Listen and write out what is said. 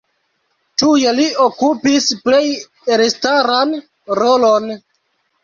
Tuj li okupis plej elstaran rolon.